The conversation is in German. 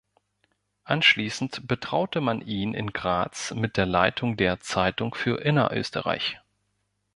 Anschließend betraute man ihn in Graz mit der Leitung der "Zeitung für Innerösterreich".